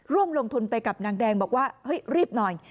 ร่วมลงทุนไปกับนางแดงบอกว่าเฮ้ยรีบหน่อย